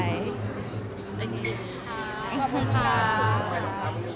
ขอบคุณค่ะ